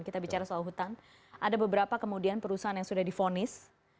kita bicara soal hutan ada beberapa kemudian perusahaan yang sudah difonis